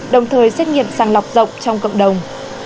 đồng thời xét nghiệm sàng lọc rộng trong cộng đồng